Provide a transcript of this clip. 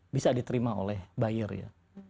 bisa diterima oleh buyer ya